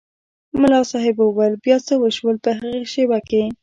ملا صاحب وویل بیا څه وشول په هغې شېبه کې.